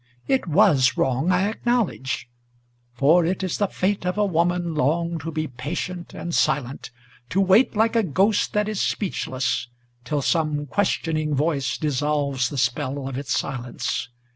It was wrong, I acknowledge; for it is the fate of a woman Long to be patient and silent, to wait like a ghost that is speechless, Till some questioning voice dissolves the spell of its silence.